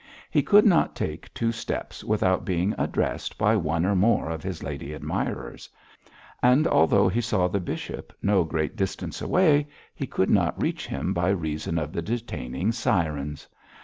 He could not take two steps without being addressed by one or more of his lady admirers; and although he saw the bishop no great distance away, he could not reach him by reason of the detaining sirens.